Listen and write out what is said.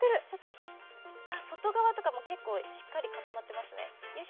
外側とか、結構しっかり固まってますね。